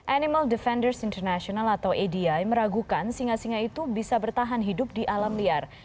animal defenders international atau adi meragukan singa singa itu bisa bertahan hidup di alam liar